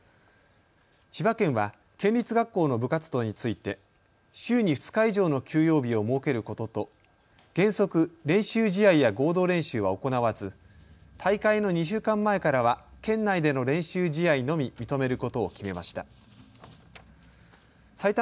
千葉県は県立学校の部活動について週に２日以上の休養日を設けることと原則、練習試合や合同練習は行わず大会の２週間前からは県内での練習試合のみ認めることを決めました。